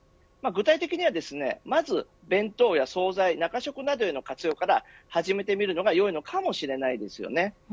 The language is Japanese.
具体的にはまず弁当や総菜、中食などへの活用から始めて見るのが良いのかもしれませんよね。